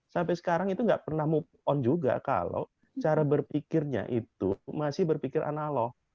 sampai sekarang itu nggak pernah move on juga kalau cara berpikirnya itu masih berpikir analog